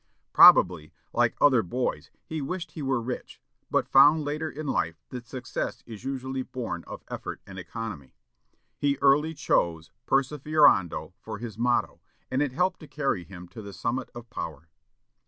Probably, like other boys, he wished he were rich, but found later in life that success is usually born of effort and economy. He early chose "Perseverando" for his motto, and it helped to carry him to the summit of power.